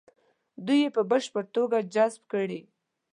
دوی یې په بشپړه توګه جذب کړي.